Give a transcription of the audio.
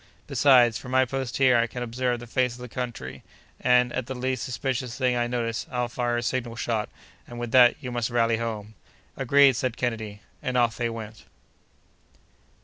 Besides, from my post here, I can observe the face of the country, and, at the least suspicious thing I notice, I'll fire a signal shot, and with that you must rally home." "Agreed!" said Kennedy; and off they went.